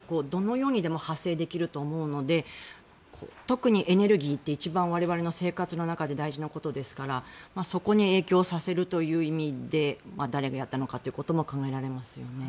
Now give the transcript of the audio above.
心理的な影響って本当にどのようにでも派生できると思うので特にエネルギーって一番我々の生活の中で大事なことですからそこに影響させるという意味で誰がやったのかということも考えられますよね。